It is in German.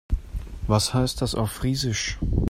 Was heißt das auf Friesisch?